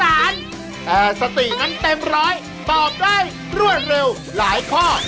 แต่สตินั้นเต็มร้อยตอบได้รวดเร็วหลายข้อ